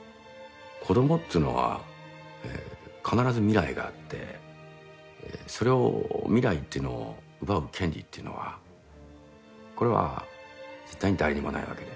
子供っつうのは必ず未来があってそれを未来っていうのを奪う権利っていうのはこれは絶対に誰にもないわけで。